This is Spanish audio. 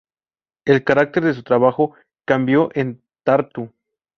El carácter de su trabajo cambió en Tartu.